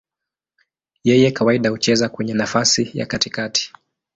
Yeye kawaida hucheza kwenye nafasi ya katikati.